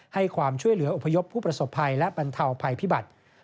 ให้ความช่วยเหลืออพยพผู้ประสบภัยและบรรเทาภัยพิบัติ